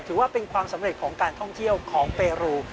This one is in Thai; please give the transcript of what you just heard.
ถือว่าเป็นความสำเร็จของการท่องเที่ยวของเปรู